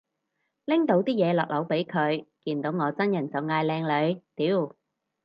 拎到啲嘢落樓俾佢，見到我真人就嗌靚女，屌